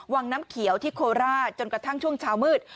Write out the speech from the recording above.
วังน้ำเขียวที่โคราชจนกระทั่งช่วงเช้ามืด